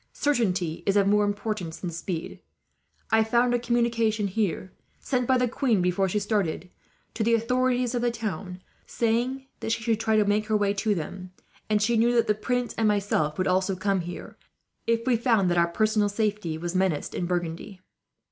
Certainty is of more importance than speed. I found a communication here, sent by the queen before she started to the authorities of the town, saying that she should try to make her way to them; and she knew that the prince and myself would also come here, if we found our personal safety menaced in Burgundy.